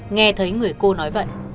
nghe thấy người cô nói vậy